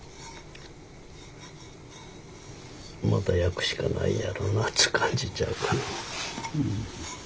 また焼くしかないやろうなっつう感じちゃうかな。